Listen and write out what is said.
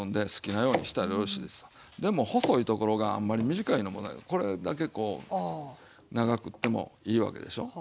でも細いところがあんまり短いのもこれだけこう長くってもいいわけでしょ。